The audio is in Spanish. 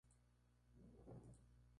Es actual director del Minuto de Dios.